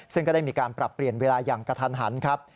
ซึ่งก็ได้มีการปรับเปลี่ยนเวลาอย่างกระทันหันครับ